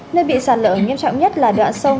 nơi bị sạt lở nghiêm trọng nhất là đoạn sông